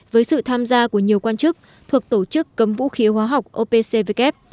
với sự tham gia của nhiều quan chức thuộc tổ chức cấm vũ khí hóa học opcvk